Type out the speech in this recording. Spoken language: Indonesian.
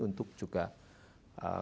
untuk juga membangun